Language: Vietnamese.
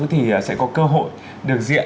thì sẽ có cơ hội được diện